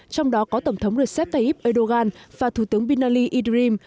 trong đó có tổng thống recep tayyip erdogan và thủ tướng bin ali idrim